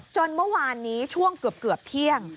จนเมื่อวานนี้ช่วงเกือบเที่ยง